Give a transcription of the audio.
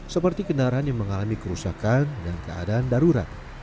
seperti kendaraan yang mengalami kerusakan dan keadaan darurat